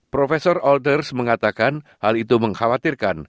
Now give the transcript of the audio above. profesor olders mengatakan hal itu mengkhawatirkan